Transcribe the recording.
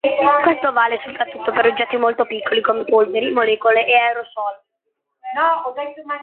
Questo vale soprattutto per oggetti molto piccoli come polveri, molecole e aerosol.